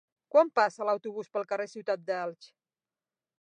Quan passa l'autobús pel carrer Ciutat d'Elx?